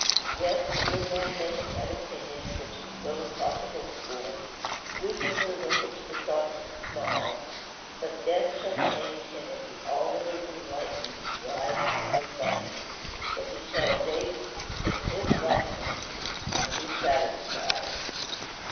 Yes, the good man may have had opinions which the philosophical scorn, weaknesses at which the thoughtless smile; but death shall change him into all that is enlightened, wise, and refined, for he shall awake in "His" likeness, and "be satisfied."